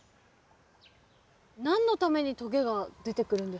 何のためにとげが出てくるんですかね？